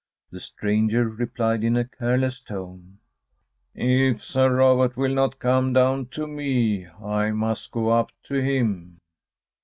The stranger replied in a careless tone: "If Sir Robert will not come down to me; I must go up to him."